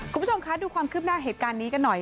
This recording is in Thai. คุณผู้ชมคะดูความคืบหน้าเหตุการณ์นี้กันหน่อย